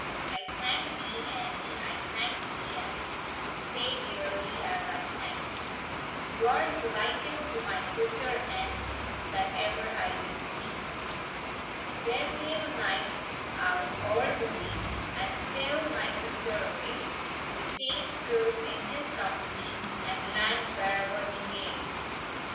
"I thank thee, Annie; I thank thee, Annie, Sae dearly as I thank thee; You're the likest to my sister Annie, That ever I did see. "There came a knight out oer the sea, And steald my sister away; The shame scoup in his company, And land where'er he gae!"